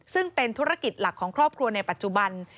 ซึ่งเป็นธุรกิจหลักของครอบครัวในปัจจุบัน